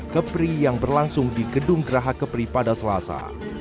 kepri yang berlangsung di gedung geraha kepri pada selasa